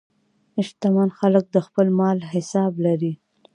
شتمن خلک د خپل مال حساب لري.